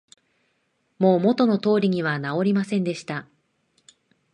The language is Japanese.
もう元の通りに直りませんでした